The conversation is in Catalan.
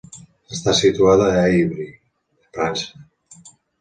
Està situada a Évry, França.